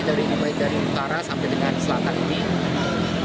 dari utara sampai dengan selatan ini